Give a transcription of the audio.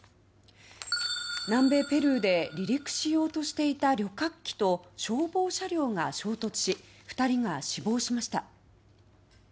南米ペルーで離陸しようとしていた旅客機と消防車両が衝突し２人が死亡しました。